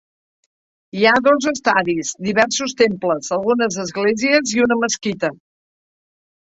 Hi ha dos estadis, diversos temples, algunes esglésies i una mesquita.